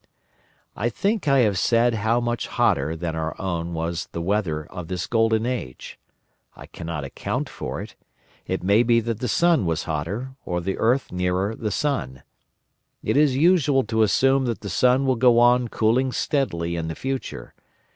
"I think I have said how much hotter than our own was the weather of this Golden Age. I cannot account for it. It may be that the sun was hotter, or the earth nearer the sun. It is usual to assume that the sun will go on cooling steadily in the future.